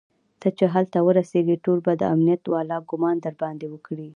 ته چې هلته ورسېږي ټول به د امنيت والا ګومان درباندې وکړي.